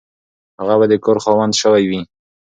هغه به د کور خاوند شوی وي.